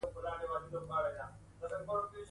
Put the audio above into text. هغه د ربیټ د درې واړو بچیانو غوښتنه هم وکړه